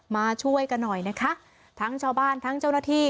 มาช่วยกันหน่อยนะคะทั้งชาวบ้านทั้งเจ้าหน้าที่